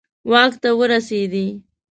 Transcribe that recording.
واک ته ورسېدي.